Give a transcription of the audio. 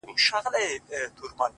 مُريد ښه دی ملگرو او که پير ښه دی’